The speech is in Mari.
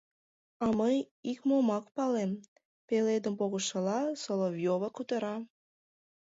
— А мый икмомак палем, — пеледым погышыла, Соловьёва кутыра.